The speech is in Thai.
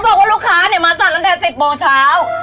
บอกว่าลูกค้ามาสั่งตั้งแต่๑๐โมงเช้า